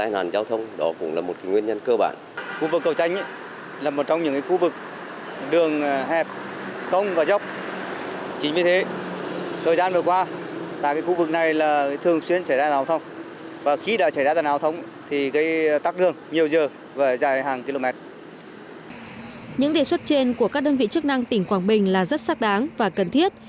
những đề xuất trên của các đơn vị chức năng tỉnh quảng bình là rất xác đáng và cần thiết